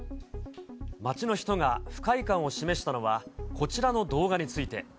街の人が不快感を示したのは、こちらの動画について。